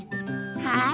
はい。